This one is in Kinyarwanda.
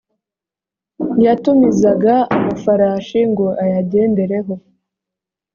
yatumizaga amafarashi ngo ayagendereho.